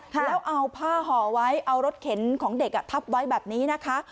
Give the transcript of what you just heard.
แล้วเอาผ้าห่อไว้เอารถเข็นของเด็กทับไว้แบบนี้นะคะ